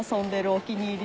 お気に入り